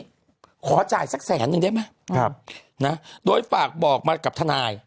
ขอจ่ายสักแสนนึงได้ไหมครับนะโดยฝากบอกมากับทนาย